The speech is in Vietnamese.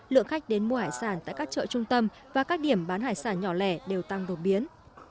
lượng khách đến mua hải sản tại các chợ trung tâm và các điểm bán hải sản nhỏ lẻ đều tăng đột biến